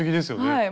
はい。